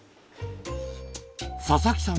佐々木さん